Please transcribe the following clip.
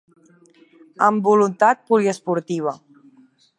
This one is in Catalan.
Amb voluntat poliesportiva.